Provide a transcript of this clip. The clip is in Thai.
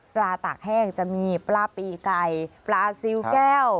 ตากแห้งจะมีปลาปีไก่ปลาซิลแก้ว